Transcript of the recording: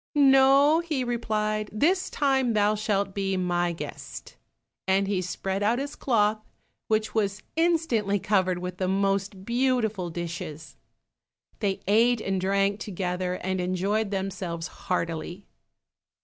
"No, he replied, this time thou shalt be my guest," and he spread out his cloth, which was instantly covered with the most beautiful dishes. They ate and drank together, and enjoyed themselves heartily.